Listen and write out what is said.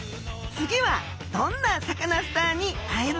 次はどんなサカナスターに会えるのでしょうか？